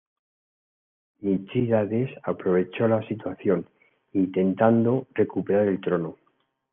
Mitrídates aprovechó la situación, intentando recuperar el trono.